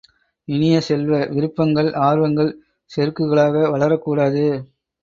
இனிய செல்வ, விருப்பங்கள் ஆர்வங்கள் செருக்குகளாக வளரக் கூடாது.